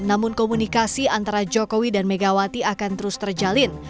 namun komunikasi antara jokowi dan megawati akan terus terjalin